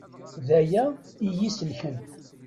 D aya i yi-selken.